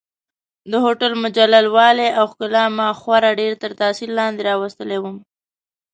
د هوټل مجلل والي او ښکلا ما خورا ډېر تر تاثیر لاندې راوستلی وم.